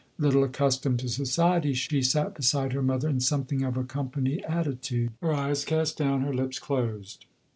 Little accustomed to society, she sat beside her mother in something of a company attitude ; her eyes cast down, her lips closed.